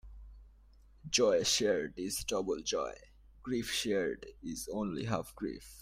Joy shared is double joy; grief shared is only half grief.